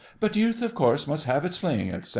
But youth, of course, must have its fling, etc.